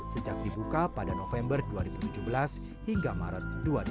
sejak dibuka pada november dua ribu tujuh belas hingga maret dua ribu delapan belas